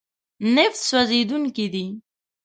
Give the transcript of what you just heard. نفت سوځېدونکی دی.